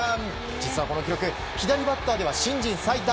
実はこの記録左バッターでは新人最多。